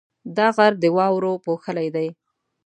دا غر د واورو پوښلی دی.